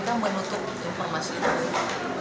kita mencari ke kpk tapi kpk menutup informasi itu